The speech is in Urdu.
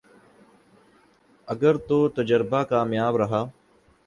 اگر تو تجربہ کامیاب رہا